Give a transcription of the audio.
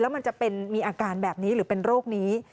มันจะเป็นมีอาการแบบนี้หรือเป็นโรคนี้